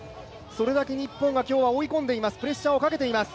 それだけ日本は今日は追い込んでいます、